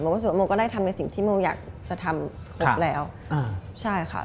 ก็รู้สึกว่าโมก็ได้ทำในสิ่งที่โมอยากจะทำครบแล้วอ่าใช่ค่ะ